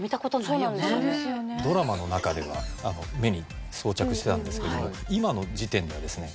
ドラマの中では目に装着してたんですけども今の時点ではですね